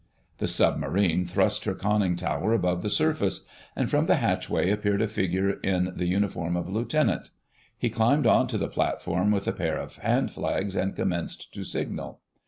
The Submarine thrust her conning tower above the surface, and from the hatchway appeared a figure in the uniform of a Lieutenant. He climbed on to the platform with a pair of handflags, and commenced to signal.